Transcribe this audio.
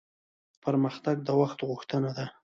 پرمختګ د وخت غوښتنه ده